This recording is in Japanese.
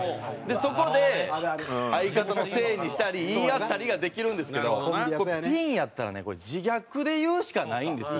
そこで相方のせいにしたり言い合ったりができるんですけどピンやったらね自虐で言うしかないんですよ。